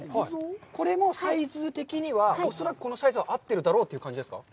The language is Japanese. これもサイズ的には、恐らくこのサイズは合ってるだろうという感じですか。